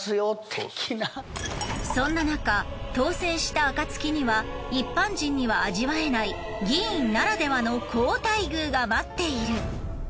そんななか当選した暁には一般人には味わえない議員ならではの高待遇が待っている。